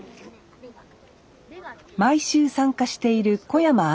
毎週参加している小山杏奈さん